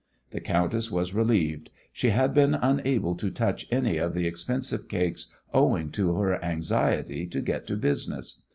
The countess was relieved. She had been unable to touch any of the expensive cakes owing to her anxiety to get to business.